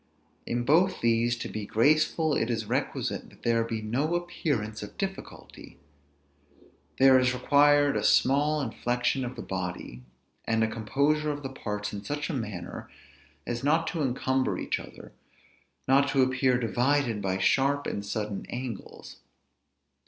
In both these, to be graceful, it is requisite that there be no appearance of difficulty; there is required a small inflection of the body; and a composure of the parts in such a manner, as not to incumber each other, not to appear divided by sharp and sudden angles.